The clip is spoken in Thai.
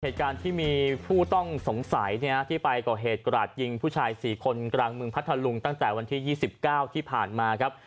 เหตุการณ์ที่มีผู้ต้องสงสัยที่ไปก่อเหตุกราดยิงผู้ชาย๔คนกลางเมืองพัทธลุงตั้งแต่วันที่๒๙ที่ผ่านมาครับ